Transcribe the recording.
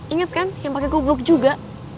ingat kan yang pake kupluk juga